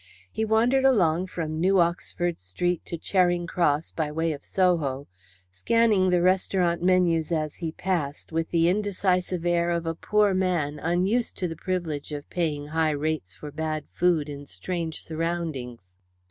He wandered along from New Oxford Street to Charing Cross by way of Soho, scanning the restaurant menus as he passed with the indecisive air of a poor man unused to the privilege of paying high rates for bad food in strange surroundings.